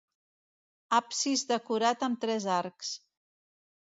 Absis decorat amb tres arcs.